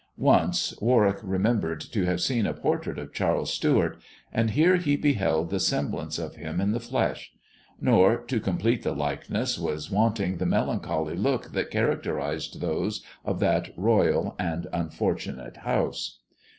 Once Warwick remembered to have seen a portrait of Charles Stewart, and here he beheld the semblance of him in the fiesh ; nor, to complete the likeness, was wanting the melancholy look that characterized those of that royal and unfortunate House.